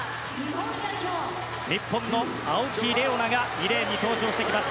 日本の青木玲緒樹が２レーンに登場してきます。